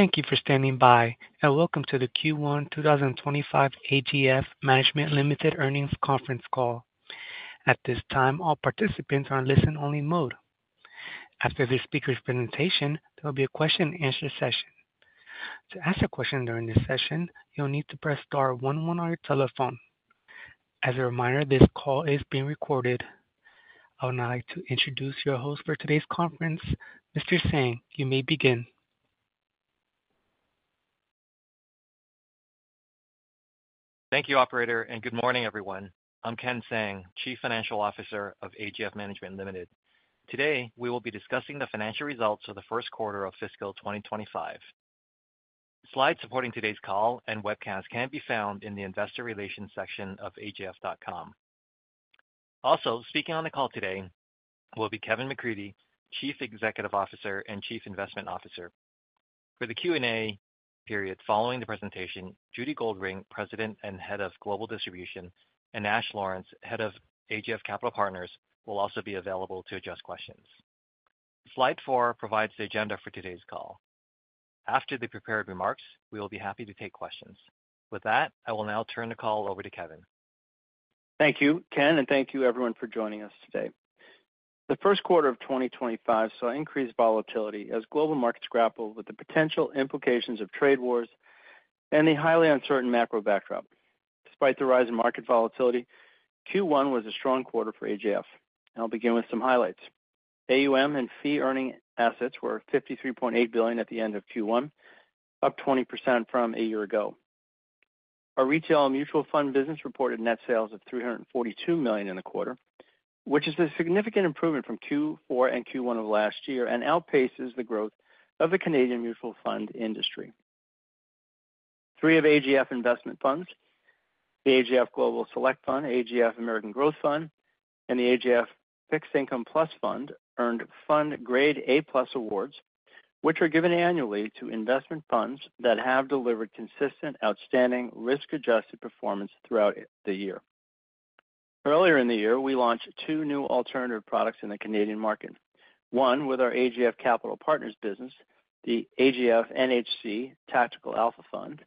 Thank you for standing by, and welcome to the Q1 2025 AGF Management Limited Earnings conference call. At this time, all participants are in listen-only mode. After the speaker's presentation, there will be a question-and-answer session. To ask a question during this session, you'll need to press star 11 on your telephone. As a reminder, this call is being recorded. I would now like to introduce your host for today's conference, Mr. Tsang. You may begin. Thank you, Operator, and good morning, everyone. I'm Ken Tsang, Chief Financial Officer of AGF Management Limited. Today, we will be discussing the financial results of the Q1 of fiscal 2025. Slides supporting today's call and webcast can be found in the investor relations section of AGF.com. Also, speaking on the call today will be Kevin McCreadie, Chief Executive Officer and Chief Investment Officer. For the Q&A period following the presentation, Judy Goldring, President and Head of Global Distribution, and Ash Lawrence, Head of AGF Capital Partners, will also be available to address questions. Slide four provides the agenda for today's call. After the prepared remarks, we will be happy to take questions. With that, I will now turn the call over to Kevin. Thank you, Ken, and thank you, everyone, for joining us today. The Q1 of 2025 saw increased volatility as global markets grappled with the potential implications of trade wars and the highly uncertain macro backdrop. Despite the rise in market volatility, Q1 was a strong quarter for AGF. I'll begin with some highlights. AUM and fee-earning assets were 53.8 billion at the end of Q1, up 20% from a year ago. Our retail mutual fund business reported net sales of 342 million in the quarter, which is a significant improvement from Q4 and Q1 of last year and outpaces the growth of the Canadian mutual fund industry. Three of AGF investment funds, the AGF Global Select Fund, AGF American Growth Fund, and the AGF Fixed Income Plus Fund, earned Fund Grade A+ awards, which are given annually to investment funds that have delivered consistent, outstanding, risk-adjusted performance throughout the year. Earlier in the year, we launched two new alternative products in the Canadian market, one with our AGF Capital Partners business, the AGF NHC Tactical Alpha Fund.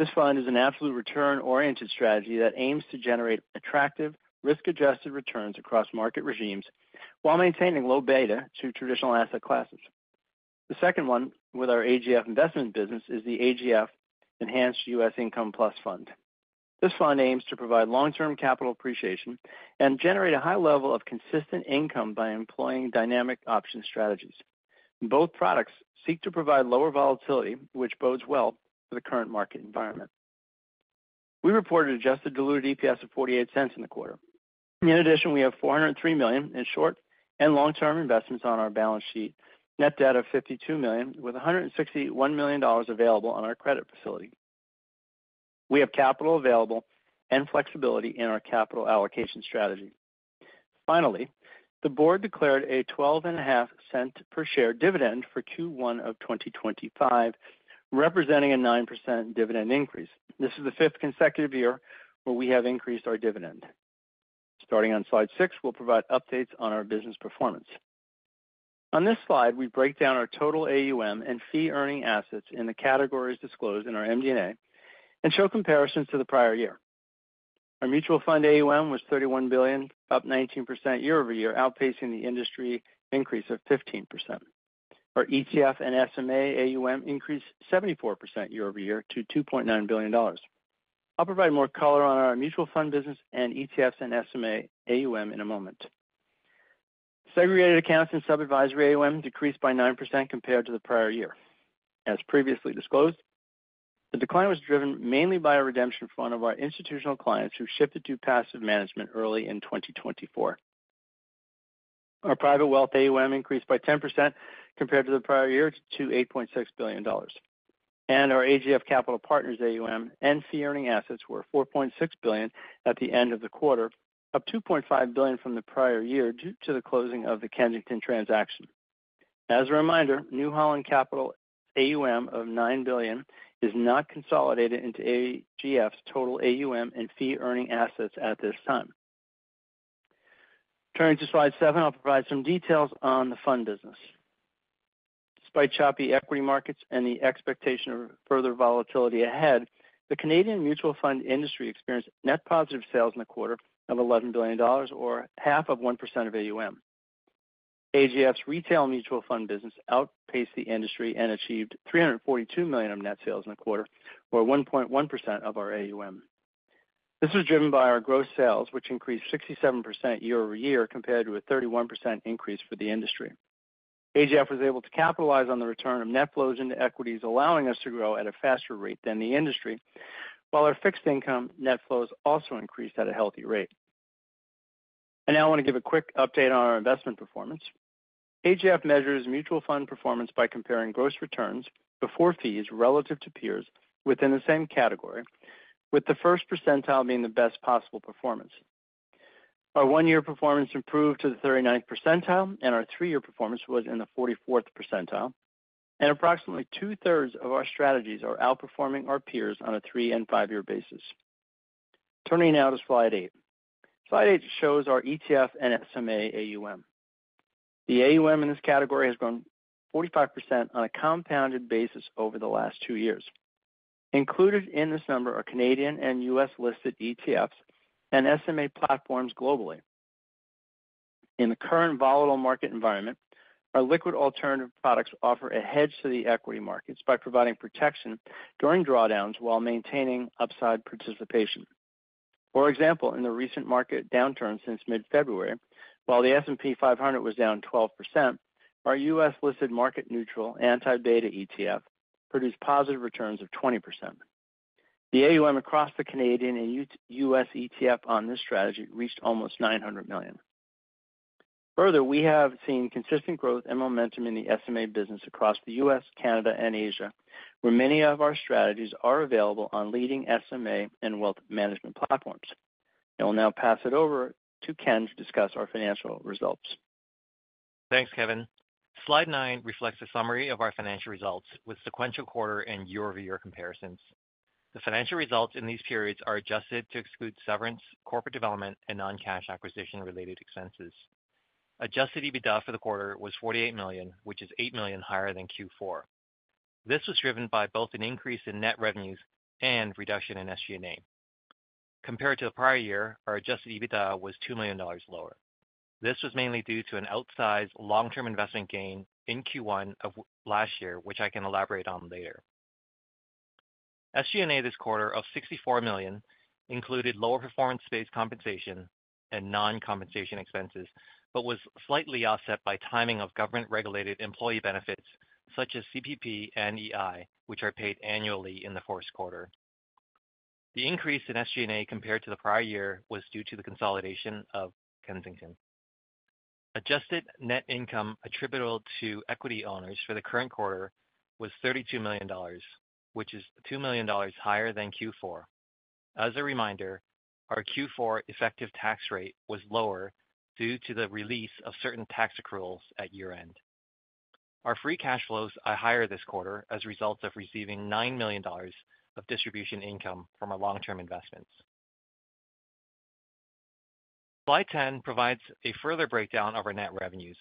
This fund is an absolute return-oriented strategy that aims to generate attractive, risk-adjusted returns across market regimes while maintaining low beta to traditional asset classes. The second one with our AGF investment business is the AGF Enhanced US Income Plus Fund. This fund aims to provide long-term capital appreciation and generate a high level of consistent income by employing dynamic option strategies. Both products seek to provide lower volatility, which bodes well for the current market environment. We reported adjusted diluted EPS of $0.48 in the quarter. In addition, we have 403 million in short and long-term investments on our balance sheet, net debt of 52 million, with 161 million dollars available on our credit facility. We have capital available and flexibility in our capital allocation strategy. Finally, the board declared a 0.12 per share dividend for Q1 of 2025, representing a 9% dividend increase. This is the fifth consecutive year where we have increased our dividend. Starting on slide six, we will provide updates on our business performance. On this slide, we break down our total AUM and fee-earning assets in the categories disclosed in our MD&A and show comparisons to the prior year. Our mutual fund AUM was 31 billion, up 19% year over year, outpacing the industry increase of 15%. Our ETF and SMA AUM increased 74% year over year to 2.9 billion dollars. I'll provide more color on our mutual fund business and ETFs and SMA AUM in a moment. Segregated accounts and sub-advisory AUM decreased by 9% compared to the prior year. As previously disclosed, the decline was driven mainly by a redemption fund of our institutional clients who shifted to passive management early in 2024. Our private wealth AUM increased by 10% compared to the prior year to 8.6 billion dollars. Our AGF Capital Partners AUM and fee-earning assets were 4.6 billion at the end of the quarter, up 2.5 billion from the prior year due to the closing of the Kensington transaction. As a reminder, New Holland Capital AUM of 9 billion is not consolidated into AGF's total AUM and fee-earning assets at this time. Turning to slide seven, I'll provide some details on the fund business. Despite choppy equity markets and the expectation of further volatility ahead, the Canadian mutual fund industry experienced net positive sales in the quarter of 11 billion dollars, or 0.5% of AUM. AGF's retail mutual fund business outpaced the industry and achieved 342 million of net sales in the quarter, or 1.1% of our AUM. This was driven by our gross sales, which increased 67% year over year compared to a 31% increase for the industry. AGF was able to capitalize on the return of net flows into equities, allowing us to grow at a faster rate than the industry, while our fixed income net flows also increased at a healthy rate. I want to give a quick update on our investment performance. AGF measures mutual fund performance by comparing gross returns before fees relative to peers within the same category, with the first percentile being the best possible performance. Our one-year performance improved to the 39th percentile, and our three-year performance was in the 44th percentile. Approximately two-thirds of our strategies are outperforming our peers on a three- and five-year basis. Turning now to slide eight. Slide eight shows our ETF and SMA AUM. The AUM in this category has grown 45% on a compounded basis over the last two years. Included in this number are Canadian and US listed ETFs and SMA platforms globally. In the current volatile market environment, our liquid alternative products offer a hedge to the equity markets by providing protection during drawdowns while maintaining upside participation. For example, in the recent market downturn since mid-February, while the S&P 500 was down 12%, our US Listed market-neutral anti-beta ETF produced positive returns of 20%. The AUM across the Canadian and US ETF on this strategy reached almost $900 million. Further, we have seen consistent growth and momentum in the SMA business across the US, Canada, and Asia, where many of our strategies are available on leading SMA and wealth management platforms. I will now pass it over to Ken to discuss our financial results. Thanks, Kevin. Slide nine reflects a summary of our financial results with sequential quarter and year-over-year comparisons. The financial results in these periods are adjusted to exclude severance, corporate development, and non-cash acquisition-related expenses. Adjusted EBITDA for the quarter was 48 million, which is 8 million higher than Q4. This was driven by both an increase in net revenues and reduction in SG&A. Compared to the prior year, our adjusted EBITDA was 2 million dollars lower. This was mainly due to an outsized long-term investment gain in Q1 of last year, which I can elaborate on later. SG&A this quarter of 64 million included lower performance-based compensation and non-compensation expenses, but was slightly offset by timing of government-regulated employee benefits, such as CPP and EI, which are paid annually in the Q1. The increase in SG&A compared to the prior year was due to the consolidation of Kensington. Adjusted net income attributable to equity owners for the current quarter was 32 million dollars, which is 2 million dollars higher than Q4. As a reminder, our Q4 effective tax rate was lower due to the release of certain tax accruals at year-end. Our free cash flows are higher this quarter as a result of receiving 9 million dollars of distribution income from our long-term investments. Slide 10 provides a further breakdown of our net revenues.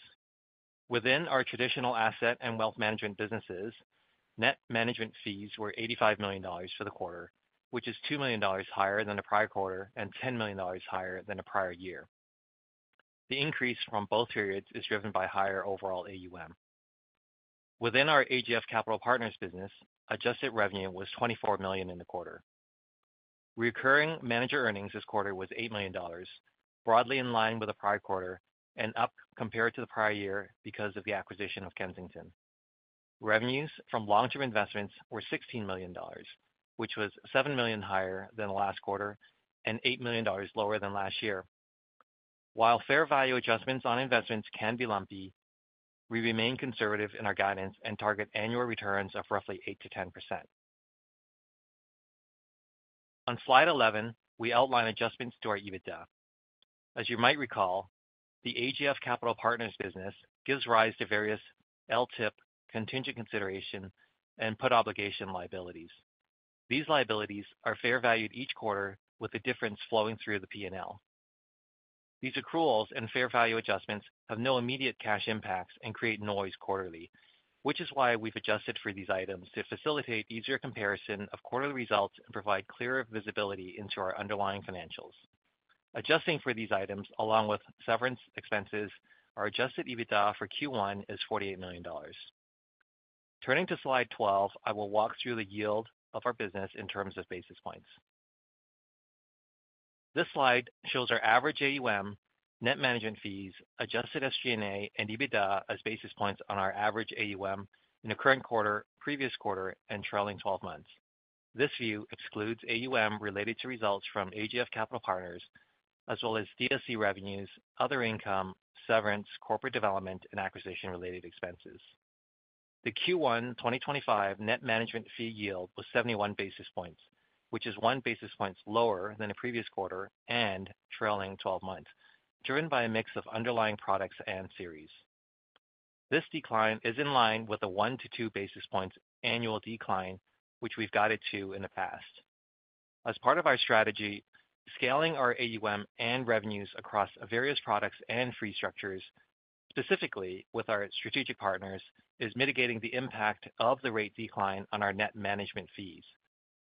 Within our traditional asset and wealth management businesses, net management fees were 85 million dollars for the quarter, which is 2 million dollars higher than the prior quarter and 10 million dollars higher than the prior year. The increase from both periods is driven by higher overall AUM. Within our AGF Capital Partners business, adjusted revenue was 24 million in the quarter. Recurring manager earnings this quarter was 8 million dollars, broadly in line with the prior quarter and up compared to the prior year because of the acquisition of Kensington. Revenues from long-term investments were 16 million dollars, which was 7 million higher than the last quarter and 8 million dollars lower than last year. While fair value adjustments on investments can be lumpy, we remain conservative in our guidance and target annual returns of roughly 8% to 10%. On slide 11, we outline adjustments to our EBITDA. As you might recall, the AGF Capital Partners business gives rise to various LTIP, contingent consideration, and put obligation liabilities. These liabilities are fair valued each quarter, with the difference flowing through the P&L. These accruals and fair value adjustments have no immediate cash impacts and create noise quarterly, which is why we've adjusted for these items to facilitate easier comparison of quarterly results and provide clearer visibility into our underlying financials. Adjusting for these items, along with severance expenses, our adjusted EBITDA for Q1 is 48 million dollars. Turning to slide 12, I will walk through the yield of our business in terms of basis points. This slide shows our average AUM, net management fees, adjusted SG&A, and EBITDA as basis points on our average AUM in the current quarter, previous quarter, and trailing 12 months. This view excludes AUM related to results from AGF Capital Partners, as well as DSC revenues, other income, severance, corporate development, and acquisition-related expenses. The Q1 2025 net management fee yield was 71 basis points, which is one basis point lower than the previous quarter and trailing 12 months, driven by a mix of underlying products and series. This decline is in line with a one to two basis points annual decline, which we've guided to in the past. As part of our strategy, scaling our AUM and revenues across various products and fee structures, specifically with our strategic partners, is mitigating the impact of the rate decline on our net management fees.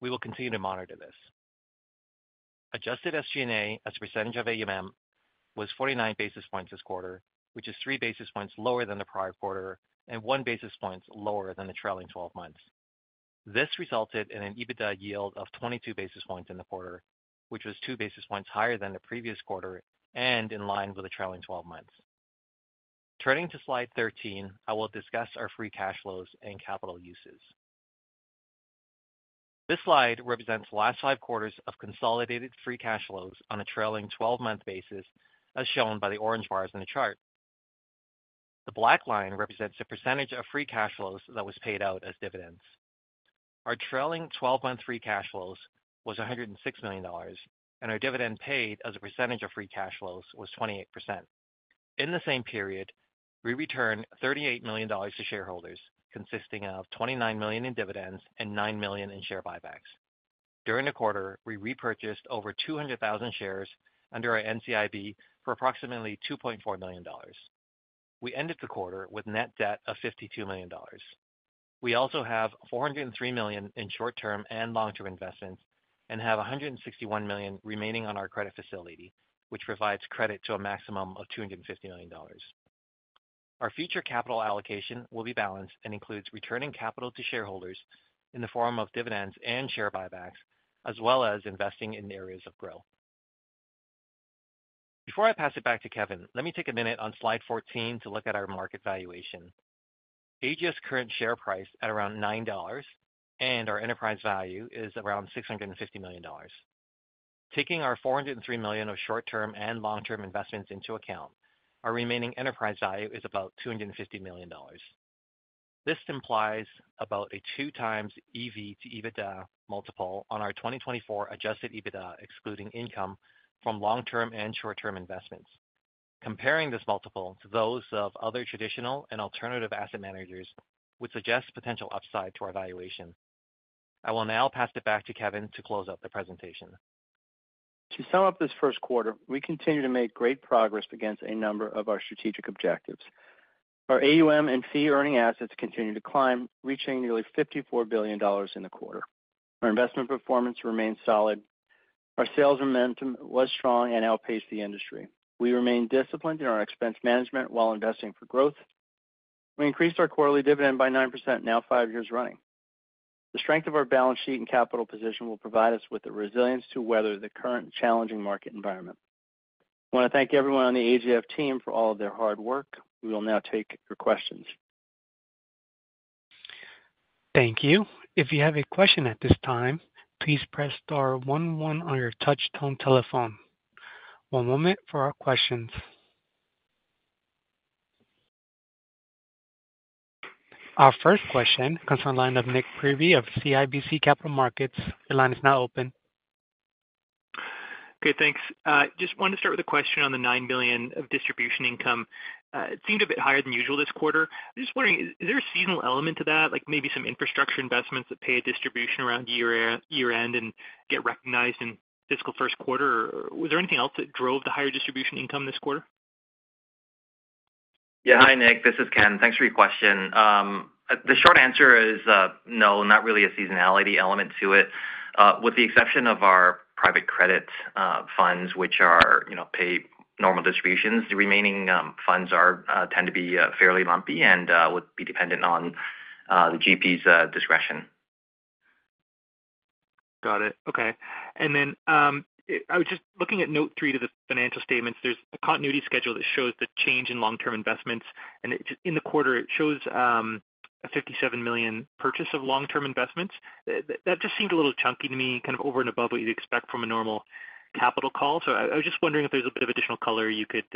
We will continue to monitor this. Adjusted SG&A as a percentage of AUM was 49 basis points this quarter, which is three basis points lower than the prior quarter and one basis point lower than the trailing 12 months. This resulted in an EBITDA yield of 22 basis points in the quarter, which was two basis points higher than the previous quarter and in line with the trailing 12 months. Turning to slide 13, I will discuss our free cash flows and capital uses. This slide represents the last five quarters of consolidated free cash flows on a trailing 12-month basis, as shown by the orange bars in the chart. The black line represents the percentage of free cash flows that was paid out as dividends. Our trailing 12-month free cash flows was 106 million dollars, and our dividend paid as a percentage of free cash flows was 28%. In the same period, we returned 38 million dollars to shareholders, consisting of 29 million in dividends and 9 million in share buybacks. During the quarter, we repurchased over 200,000 shares under our NCIB for approximately 2.4 million dollars. We ended the quarter with net debt of 52 million dollars. We also have 403 million in short-term and long-term investments and have 161 million remaining on our credit facility, which provides credit to a maximum of 250 million dollars. Our future capital allocation will be balanced and includes returning capital to shareholders in the form of dividends and share buybacks, as well as investing in areas of growth. Before I pass it back to Kevin, let me take a minute on slide 14 to look at our market valuation. AGF's current share price is at around 9 dollars, and our enterprise value is around 650 million dollars. Taking our 403 million of short-term and long-term investments into account, our remaining enterprise value is about 250 million dollars. This implies about a two-times EV to EBITDA multiple on our 2024 adjusted EBITDA, excluding income from long-term and short-term investments. Comparing this multiple to those of other traditional and alternative asset managers would suggest potential upside to our valuation. I will now pass it back to Kevin to close up the presentation. To sum up this Q1, we continue to make great progress against a number of our strategic objectives. Our AUM and fee-earning assets continue to climb, reaching nearly 54 billion dollars in the quarter. Our investment performance remains solid. Our sales momentum was strong and outpaced the industry. We remain disciplined in our expense management while investing for growth. We increased our quarterly dividend by 9% now five years running. The strength of our balance sheet and capital position will provide us with the resilience to weather the current challenging market environment. I want to thank everyone on the AGF team for all of their hard work. We will now take your questions. Thank you. If you have a question at this time, please press star 11 on your touch-tone telephone. One moment for our questions. Our first question comes from the line of Nick Creedy of CIBC Capital Markets. Your line is now open. Okay, thanks. Just wanted to start with a question on the 9 billion of distribution income. It seemed a bit higher than usual this quarter. I'm just wondering, is there a seasonal element to that, like maybe some infrastructure investments that pay a distribution around year-end and get recognized in fiscal Q1? Was there anything else that drove the higher distribution income this quarter? Yeah, hi, Nick. This is Ken. Thanks for your question. The short answer is no, not really a seasonality element to it. With the exception of our private credit funds, which pay normal distributions, the remaining funds tend to be fairly lumpy and would be dependent on the GP's discretion. Got it. Okay. I was just looking at note three to the financial statements. There is a continuity schedule that shows the change in long-term investments. In the quarter, it shows a 57 million purchase of long-term investments. That just seemed a little chunky to me, kind of over and above what you would expect from a normal capital call. I was just wondering if there is a bit of additional color you could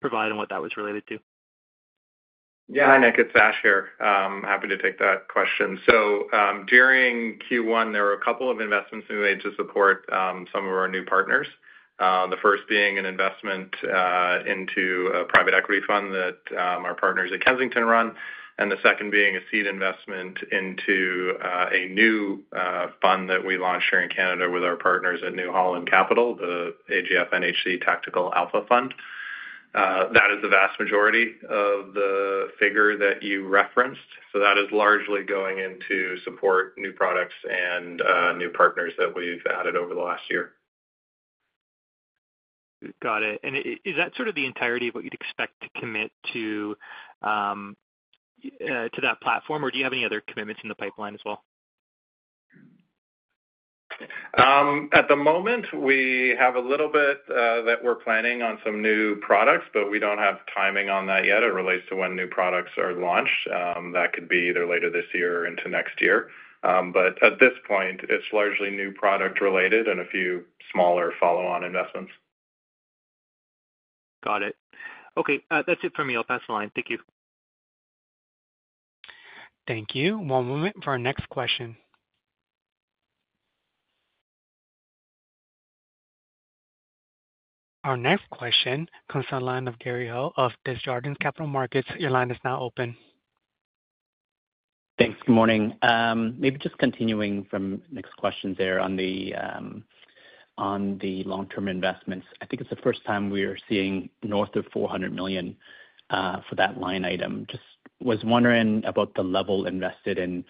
provide on what that was related to. Yeah, hi, Nick. It's Ash here. Happy to take that question. During Q1, there were a couple of investments we made to support some of our new partners, the first being an investment into a private equity fund that our partners at Kensington run, and the second being a seed investment into a new fund that we launched here in Canada with our partners at New Holland Capital, the AGF NHC Tactical Alpha Fund. That is the vast majority of the figure that you referenced. That is largely going into support new products and new partners that we've added over the last year. Got it. Is that sort of the entirety of what you'd expect to commit to that platform, or do you have any other commitments in the pipeline as well? At the moment, we have a little bit that we're planning on some new products, but we don't have timing on that yet as it relates to when new products are launched. That could be either later this year or into next year. At this point, it's largely new product-related and a few smaller follow-on investments. Got it. Okay, that's it from me. I'll pass the line. Thank you. Thank you. One moment for our next question. Our next question comes from the line of Gary Hill of Desjardins Capital Markets. Your line is now open. Thanks. Good morning. Maybe just continuing from Nick's question there on the long-term investments. I think it's the first time we are seeing north of 400 million for that line item. Just was wondering about the level invested in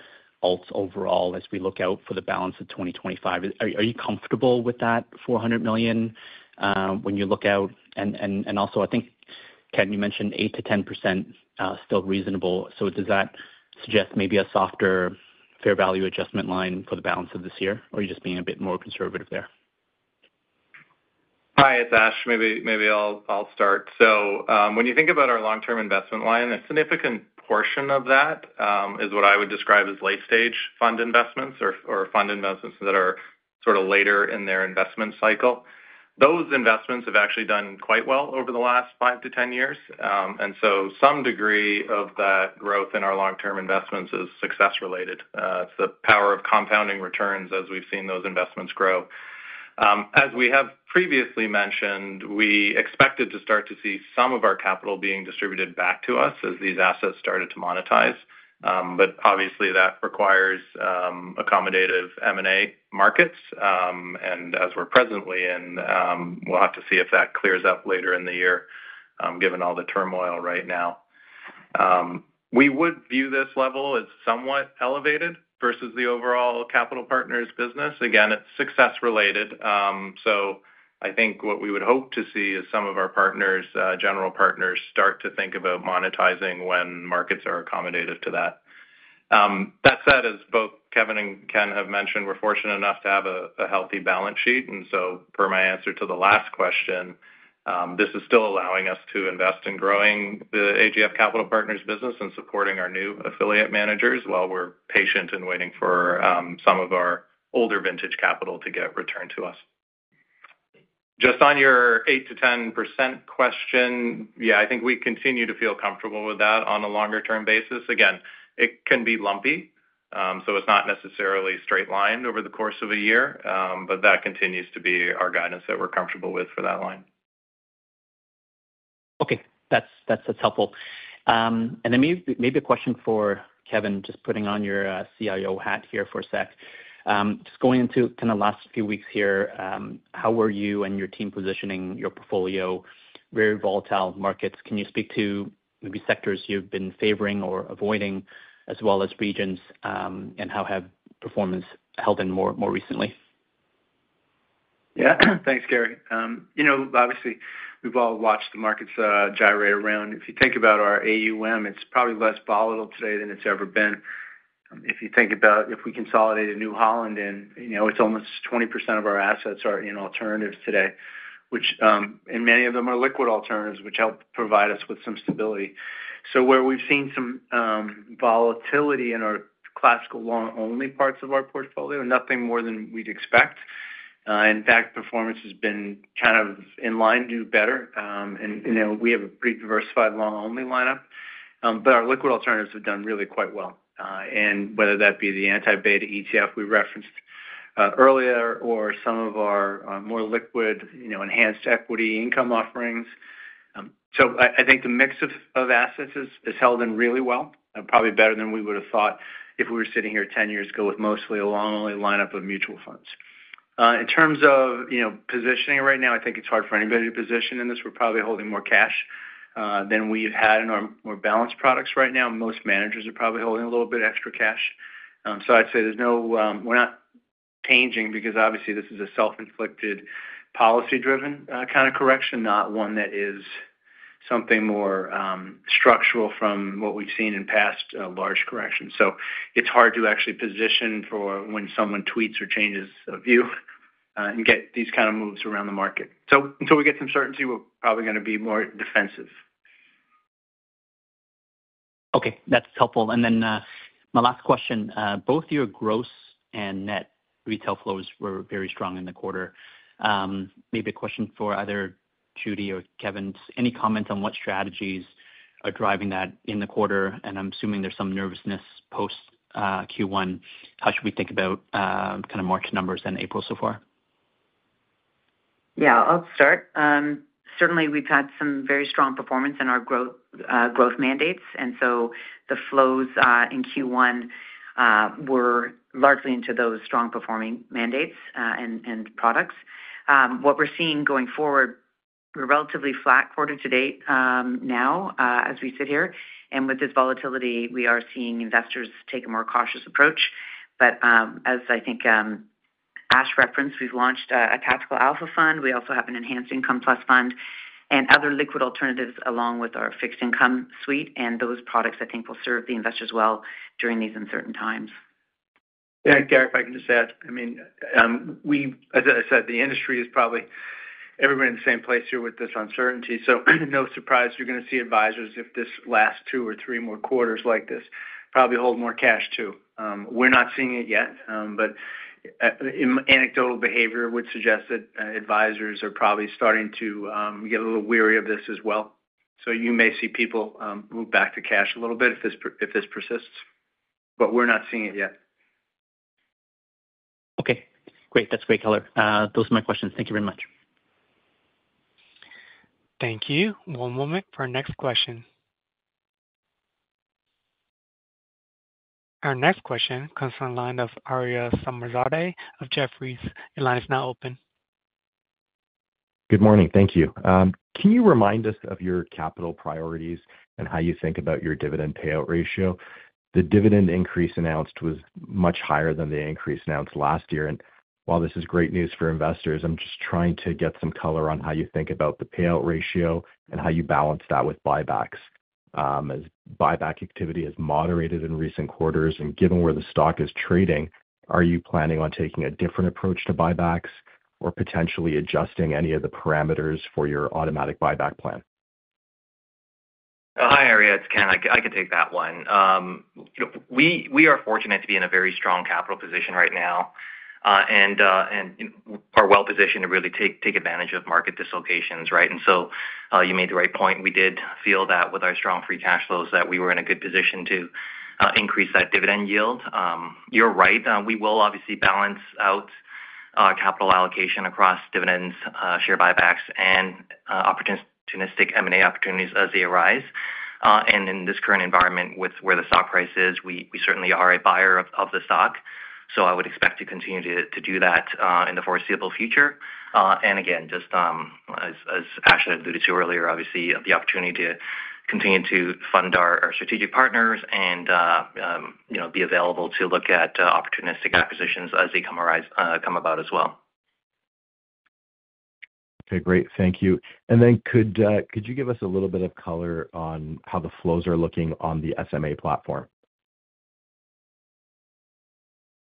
alts overall as we look out for the balance of 2025. Are you comfortable with that 400 million when you look out? Also, I think, Ken, you mentioned 8% to 10% still reasonable. Does that suggest maybe a softer fair value adjustment line for the balance of this year, or are you just being a bit more conservative there? Hi, it's Ash. Maybe I'll start. When you think about our long-term investment line, a significant portion of that is what I would describe as late-stage fund investments or fund investments that are sort of later in their investment cycle. Those investments have actually done quite well over the last 5 to 10 years. Some degree of that growth in our long-term investments is success-related. It's the power of compounding returns as we've seen those investments grow. As we have previously mentioned, we expected to start to see some of our capital being distributed back to us as these assets started to monetize. Obviously, that requires accommodative M&A markets. As we're presently in, we'll have to see if that clears up later in the year, given all the turmoil right now. We would view this level as somewhat elevated versus the overall Capital Partners business. Again, it's success-related. I think what we would hope to see is some of our general partners start to think about monetizing when markets are accommodative to that. That said, as both Kevin and Ken have mentioned, we're fortunate enough to have a healthy balance sheet. Per my answer to the last question, this is still allowing us to invest in growing the AGF Capital Partners business and supporting our new affiliate managers while we're patient and waiting for some of our older vintage capital to get returned to us. Just on your 8%-10% question, I think we continue to feel comfortable with that on a longer-term basis. Again, it can be lumpy, so it's not necessarily straight-lined over the course of a year, but that continues to be our guidance that we're comfortable with for that line. Okay, that's helpful. Maybe a question for Kevin, just putting on your CIO hat here for a sec. Just going into kind of the last few weeks here, how were you and your team positioning your portfolio? Very volatile markets. Can you speak to maybe sectors you've been favoring or avoiding, as well as regions, and how have performance held in more recently? Yeah, thanks, Gary. Obviously, we've all watched the markets gyrate. If you think about our AUM, it's probably less volatile today than it's ever been. If you think about if we consolidate a New Holland in, it's almost 20% of our assets are in alternatives today, which many of them are liquid alternatives, which help provide us with some stability. Where we've seen some volatility in our classical long-only parts of our portfolio, nothing more than we'd expect. In fact, performance has been kind of in line to better. We have a pretty diversified long-only lineup, but our liquid alternatives have done really quite well. Whether that be the anti-beta ETF we referenced earlier or some of our more liquid enhanced equity income offerings. I think the mix of assets has held in really well, probably better than we would have thought if we were sitting here 10 years ago with mostly a long-only lineup of mutual funds. In terms of positioning right now, I think it's hard for anybody to position in this. We're probably holding more cash than we've had in our more balanced products right now. Most managers are probably holding a little bit extra cash. I'd say there's no—we're not changing because, obviously, this is a self-inflicted, policy-driven kind of correction, not one that is something more structural from what we've seen in past large corrections. It's hard to actually position for when someone tweets or changes a view and get these kind of moves around the market. Until we get some certainty, we're probably going to be more defensive. Okay, that's helpful. My last question. Both your gross and net retail flows were very strong in the quarter. Maybe a question for either Judy or Kevin. Any comments on what strategies are driving that in the quarter? I'm assuming there's some nervousness post Q1. How should we think about kind of March numbers and April so far? Yeah, I'll start. Certainly, we've had some very strong performance in our growth mandates. The flows in Q1 were largely into those strong-performing mandates and products. What we're seeing going forward, we're relatively flat quarter to date now as we sit here. With this volatility, we are seeing investors take a more cautious approach. As I think Ash referenced, we've launched a tactical alpha fund. We also have an enhanced income plus fund and other liquid alternatives along with our fixed income suite. Those products, I think, will serve the investors well during these uncertain times. Yeah, Gary, if I can just add, I mean, as I said, the industry is probably everybody in the same place here with this uncertainty. No surprise, you're going to see advisors if this lasts two or three more quarters like this, probably hold more cash too. We're not seeing it yet, but anecdotal behavior would suggest that advisors are probably starting to get a little weary of this as well. You may see people move back to cash a little bit if this persists, but we're not seeing it yet. Okay, great. That's great, Keller. Those are my questions. Thank you very much. Thank you. One moment for our next question. Our next question comes from the line of Aria Somersade of Jefferies. Your line is now open. Good morning. Thank you. Can you remind us of your capital priorities and how you think about your dividend payout ratio? The dividend increase announced was much higher than the increase announced last year. While this is great news for investors, I'm just trying to get some color on how you think about the payout ratio and how you balance that with buybacks. As buyback activity has moderated in recent quarters, and given where the stock is trading, are you planning on taking a different approach to buybacks or potentially adjusting any of the parameters for your automatic buyback plan? Hi, Aria. It's Ken. I can take that one. We are fortunate to be in a very strong capital position right now and are well-positioned to really take advantage of market dislocations, right? You made the right point. We did feel that with our strong free cash flows that we were in a good position to increase that dividend yield. You're right. We will obviously balance out capital allocation across dividends, share buybacks, and opportunistic M&A opportunities as they arise. In this current environment with where the stock price is, we certainly are a buyer of the stock. I would expect to continue to do that in the foreseeable future. Again, just as Ash alluded to earlier, obviously, the opportunity to continue to fund our strategic partners and be available to look at opportunistic acquisitions as they come about as well. Okay, great. Thank you. Could you give us a little bit of color on how the flows are looking on the SMA platform?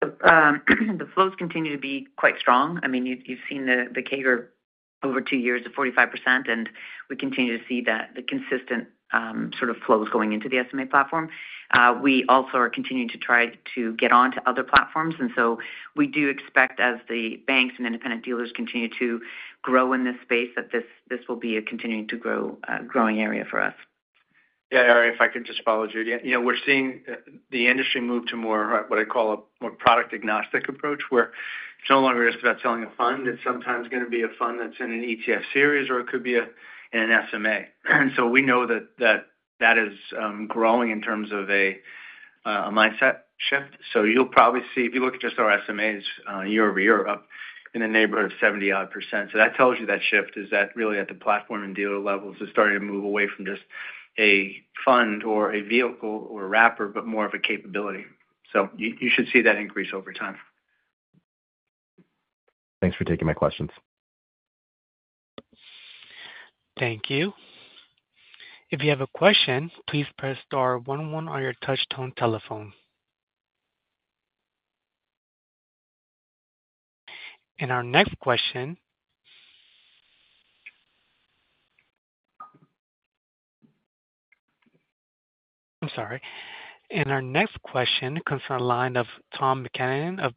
The flows continue to be quite strong. I mean, you've seen the CAGR over two years of 45%, and we continue to see the consistent sort of flows going into the SMA platform. We also are continuing to try to get on to other platforms. We do expect, as the banks and independent dealers continue to grow in this space, that this will be a continuing to growing area for us. Yeah, Aria, if I can just follow Judy. We're seeing the industry move to more what I call a more product-agnostic approach, where it's no longer just about selling a fund. It's sometimes going to be a fund that's in an ETF series or it could be in an SMA. We know that that is growing in terms of a mindset shift. You'll probably see, if you look at just our SMAs year over year, up in the neighborhood of 70-odd %. That tells you that shift is really at the platform and dealer levels, starting to move away from just a fund or a vehicle or a wrapper, but more of a capability. You should see that increase over time. Thanks for taking my questions. Thank you. If you have a question, please press star 11 on your touch-tone telephone. Our next question comes from the line of Tom McKenney of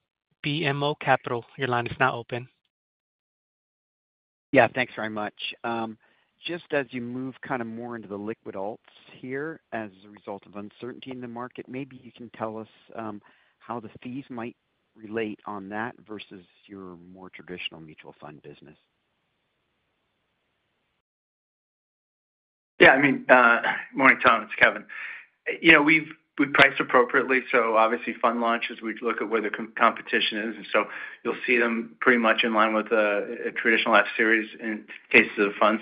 BMO Capital. Your line is now open. Yeah, thanks very much. Just as you move kind of more into the liquid alts here as a result of uncertainty in the market, maybe you can tell us how the fees might relate on that versus your more traditional mutual fund business. Yeah, I mean, morning, Tom. It's Kevin. We price appropriately. Obviously, fund launches, we'd look at where the competition is. You'll see them pretty much in line with a traditional F-series in cases of funds.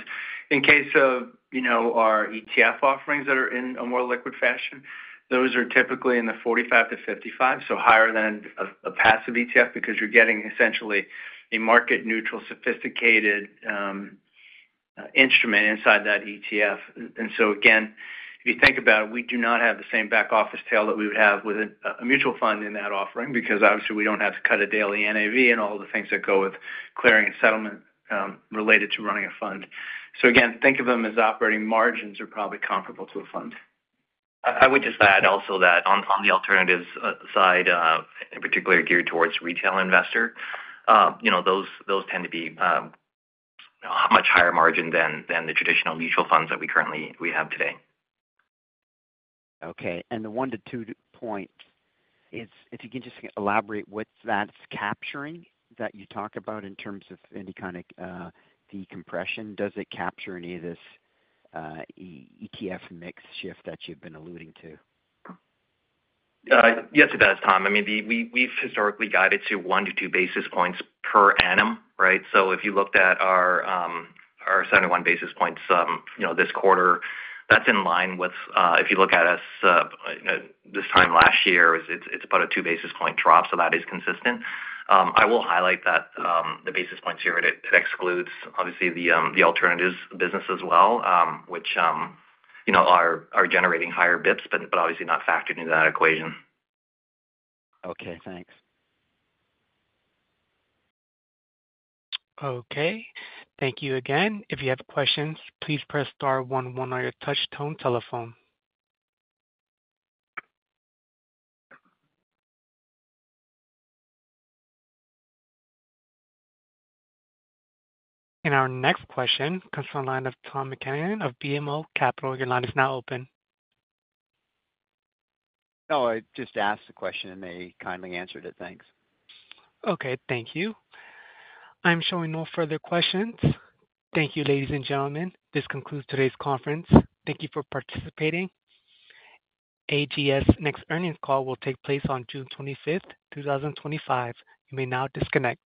In case of our ETF offerings that are in a more liquid fashion, those are typically in the 45-55, so higher than a passive ETF because you're getting essentially a market-neutral sophisticated instrument inside that ETF. Again, if you think about it, we do not have the same back-office tail that we would have with a mutual fund in that offering because, obviously, we don't have to cut a daily NAV and all the things that go with clearing and settlement related to running a fund. Again, think of them as operating margins are probably comparable to a fund. I would just add also that on the alternatives side, particularly geared towards retail investor, those tend to be a much higher margin than the traditional mutual funds that we currently have today. Okay. The one to two points, if you can just elaborate what that is capturing that you talk about in terms of any kind of decompression, does it capture any of this ETF mix shift that you have been alluding to? Yes, it does, Tom. I mean, we've historically guided to one to two basis points per annum, right? If you looked at our 71 basis points this quarter, that's in line with, if you look at us this time last year, it's about a two-basis-point drop. That is consistent. I will highlight that the basis points here, it excludes, obviously, the alternatives business as well, which are generating higher basis points, but obviously not factored into that equation. Okay, thanks. Okay. Thank you again. If you have questions, please press star 11 on your touch-tone telephone. Our next question comes from the line of Tom McKenney of BMO Capital Markets. Your line is now open. No, I just asked the question, and they kindly answered it. Thanks. Okay, thank you. I'm showing no further questions. Thank you, ladies and gentlemen. This concludes today's conference. Thank you for participating. AGF's next earnings call will take place on June 25, 2025. You may now disconnect.